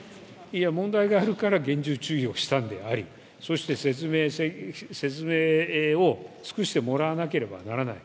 いや、問題があるから厳重注意をしたのでありそして、説明を尽くしてもらわなければならない。